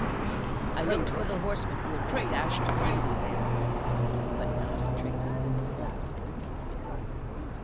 I looked for the horseman who had been dashed to pieces there, but not a trace of him was left.